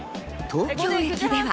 東京駅では。